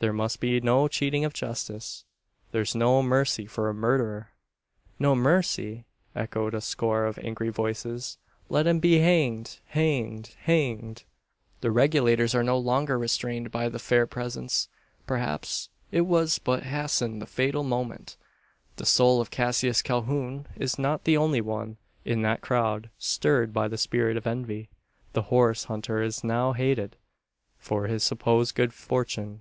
There must be no cheating of justice. There's no mercy for a murderer!" "No mercy!" echo a score of angry voices. "Let him be hanged hanged hanged!" The Regulators are no longer restrained by the fair presence. Perhaps it has but hastened the fatal moment. The soul of Cassius Calhoun is not the only one in that crowd stirred by the spirit of envy. The horse hunter is now hated for his supposed good fortune.